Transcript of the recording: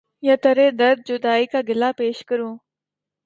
یا ترے درد جدائی کا گلا پیش کروں